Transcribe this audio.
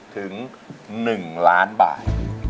ถึง๑ล้านบาท